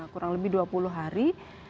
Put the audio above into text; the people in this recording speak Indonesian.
kurang lebih dua puluh hari